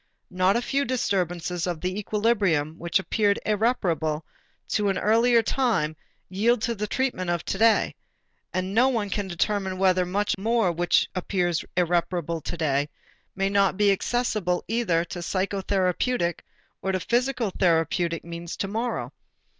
Not a few disturbances of the equilibrium which appeared irreparable to an earlier time yield to the treatment of to day, and no one can determine whether much which appears irreparable today may not be accessible either to psychotherapeutic or to physical therapeutic means to morrow.